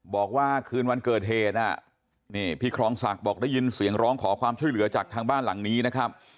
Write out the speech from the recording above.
บอกว่าคืนวันเกิดเหตุนี่พี่ครองศักดิ์บอกได้ยินเสียงร้องขอความช่วยเหลือจากทางบ้านหลังนี้นะครับ